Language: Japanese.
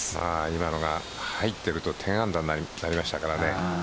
今、入っていると１０アンダーになりましたから。